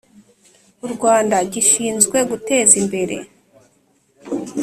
u Rwanda gishinzwe guteza imbere